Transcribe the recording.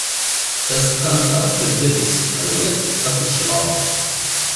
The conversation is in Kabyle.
Tasqamt-a tedda deg-s tḥelwiḍt akked claḍa.